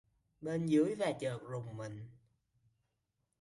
bên dưới và chợt rùng mình